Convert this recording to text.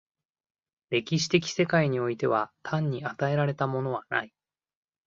歴史的世界においては単に与えられたものはない。